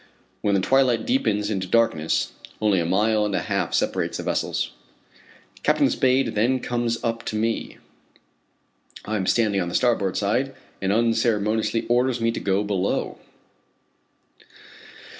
When the twilight deepens into darkness, only a mile and a half separates the vessels. Captain Spade then comes up to me I am standing on the starboard side and unceremoniously orders me to go below.